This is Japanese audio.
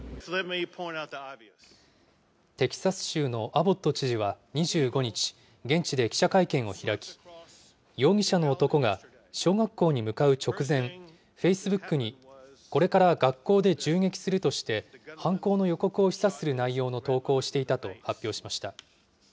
テキサス州のアボット知事は２５日、現地で記者会見を開き、容疑者の男が小学校に向かう直前、フェイスブックに、これから学校で銃撃するとして、犯行の予告を示唆する内容の投稿をしていたと発表しました。